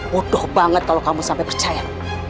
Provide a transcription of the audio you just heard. bodoh banget kalau kamu sampai percaya